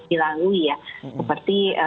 dilalui ya seperti